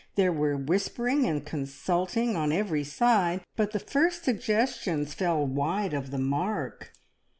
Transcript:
There were whispering and consulting on every side, but the first suggestions fell wide of the mark.